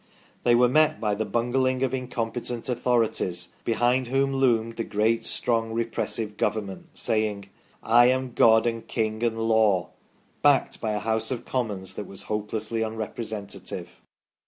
They were met by the bungling of incom petent authorities, behind whom loomed the great, strong, repressive Government, saying :" I am God, and King, and Law," backed by a House of Commons that was hopelessly unrepresentative.